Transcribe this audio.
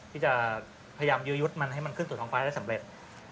ที่จะพยายามยื้อยุดมันให้มันขึ้นสู่ท้องฟ้าได้สำเร็จ